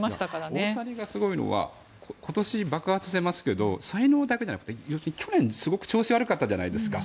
大谷がすごいのは今年爆発してますけど才能だけじゃなくて要するに去年すごく調子悪かったじゃないですか。